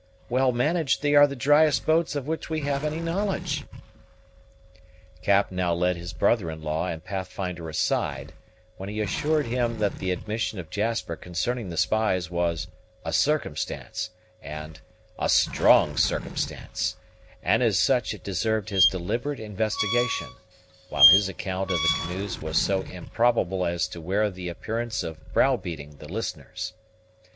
Well managed, they are the driest boats of which we have any knowledge." Cap now led his brother in law and Pathfinder aside, when he assured him that the admission of Jasper concerning the spies was "a circumstance," and "a strong circumstance," and as such it deserved his deliberate investigation; while his account of the canoes was so improbable as to wear the appearance of brow beating the listeners.